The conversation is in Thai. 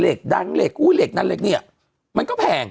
เล็กดังเล็กอุ้ยเล็กนั่นเล็กเนี่ยมันก็แผง